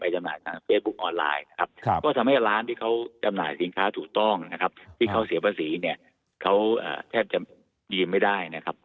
แทบจะยืมไม่ได้นะครับ